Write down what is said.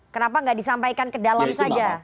kenapa nggak disampaikan ke dalam saja